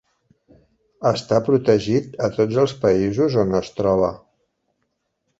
Està protegit a tots els països on es troba.